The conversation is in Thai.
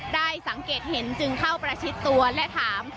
ได้สังเกตเห็นจึงเข้าประชิดตัวและถาม